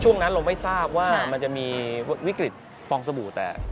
นั้นเราไม่ทราบว่ามันจะมีวิกฤตฟองสบู่แตก